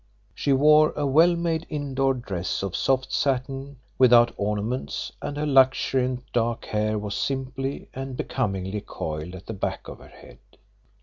She wore a well made indoor dress of soft satin, without ornaments, and her luxuriant dark hair was simply and becomingly coiled at the back of her head.